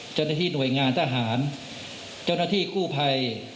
เจ้าหน้าที่หน่วยงานทหารเจ้าหน้าที่กู้ภัย